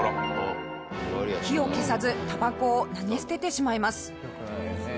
火を消さずたばこを投げ捨ててしまいます。